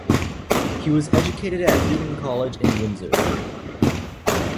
He was educated at Eton College in Windsor.